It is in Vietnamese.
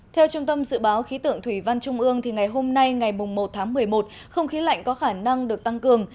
theo trung tâm dự báo khí tượng thủy văn trung ương ngày hôm nay ngày một tháng một mươi một không khí lạnh có khả năng được tăng cường